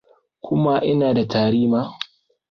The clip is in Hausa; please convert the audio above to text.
kuma ina da tari ma